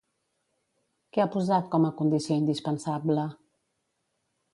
Què ha posat com a condició indispensable?